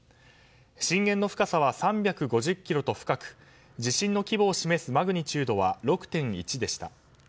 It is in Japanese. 震源の深さは３５０ｋｍと深く地震の規模を示すマグニチュードは６．１でした。